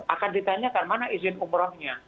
akan ditanyakan mana izin umrohnya